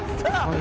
何？